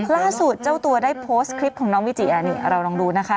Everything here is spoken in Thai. ล่าสุดเจ้าตัวได้โพสต์คลิปของน้องวิจิอันนี้เราลองดูนะคะ